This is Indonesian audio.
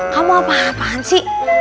kamu apa apaan sih